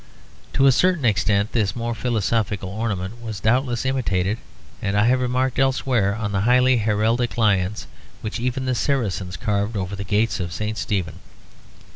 To a certain extent this more philosophical ornament was doubtless imitated; and I have remarked elsewhere on the highly heraldic lions which even the Saracens carved over the gate of St. Stephen.